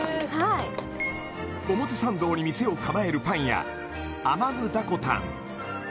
表参道に店を構えるパン屋アマムダコタン